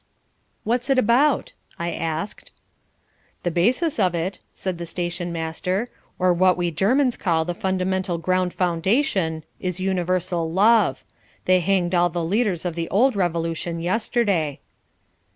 "What's it about?" I asked. "The basis of it," said the stationmaster, "or what we Germans call the Fundamental Ground Foundation, is universal love. They hanged all the leaders of the Old Revolution yesterday."